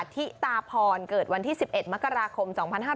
ทิตาพรเกิดวันที่๑๑มกราคม๒๕๕๙